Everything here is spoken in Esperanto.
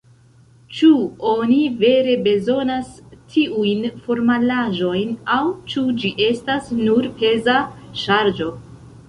Ĉu oni vere bezonas tiujn formalaĵojn, aŭ ĉu ĝi estas nur peza ŝarĝo?